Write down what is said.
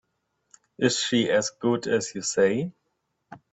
Is she as good as you say?